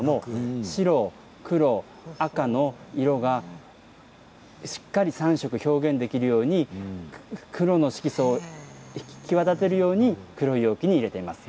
白、黒、赤の色がしっかり３色表現できるように黒の色素を際立てるように黒い容器に入れています。